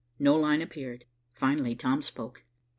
No line appeared. Finally Tom spoke.